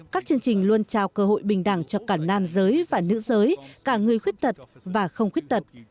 các chương trình luôn trao cơ hội bình đẳng cho cả nam giới và nữ giới cả người khuyết tật và không khuyết tật